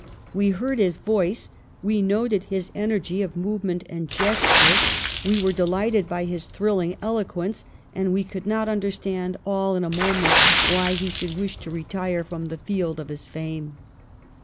We heard his voice, we noted his energy of movement and gesture. 392 THE STORY OF GLADSTONE'S LIFE we were delighted by his thrilling eloquence, and we could not understand all in a moment why he should wish to retire from the field of his fame.